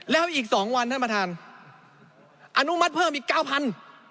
แล้วอีกสองวันท่านประธานอนุมัติเพิ่มอีกเก้าพัน